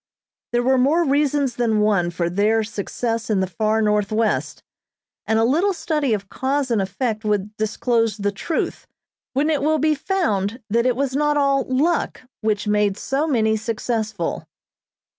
There were more reasons than one for their success in the far Northwest, and a little study of cause and effect would disclose the truth, when it will be found that it was not all "luck" which made so many successful.